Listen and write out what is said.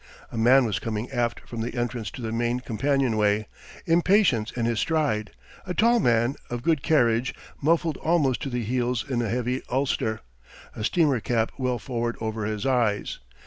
A man was coming aft from the entrance to the main companionway, impatience in his stride a tall man, of good carriage, muffled almost to the heels in a heavy ulster, a steamer cap well forward over his eyes.